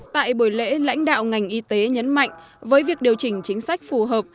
tại buổi lễ lãnh đạo ngành y tế nhấn mạnh với việc điều chỉnh chính sách phù hợp